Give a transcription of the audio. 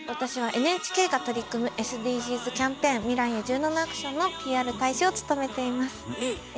私はＮＨＫが取り組むＳＤＧｓキャンペーン「未来へ１７ａｃｔｉｏｎ」のＰＲ大使を務めています。